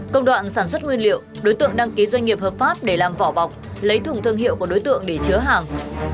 công đoạn sản xuất nguyên liệu đối tượng đăng ký doanh nghiệp hợp pháp để làm vỏ bọc lấy thùng thương hiệu của đối tượng để chứa hàng